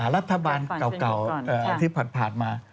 รัฐบาลเก่าที่ผ่านมา